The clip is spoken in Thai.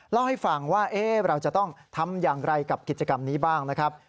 เล่าให้ฟังว่าเราจะต้องทำอย่างไรกับกิจกรรมนี้บ้างนะครับ